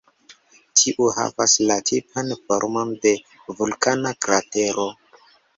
Tiu havas la tipan formon de vulkana kratero.